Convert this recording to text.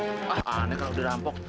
aneh kalau dirampok